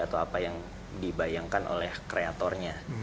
atau apa yang dibayangkan oleh kreatornya